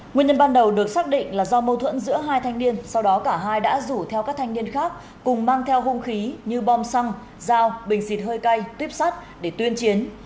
nguyên nhân ban đầu được xác định là do mâu thuẫn giữa hai thanh niên sau đó cả hai đã rủ theo các thanh niên khác cùng mang theo hung khí như bom xăng dao bình xịt hơi cay tuyếp sắt để tuyên chiến